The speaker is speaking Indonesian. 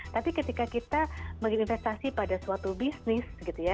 tapi ketika kita menginvestasi pada suatu bisnis gitu ya